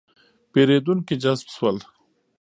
پېرېدونکي جذب شول.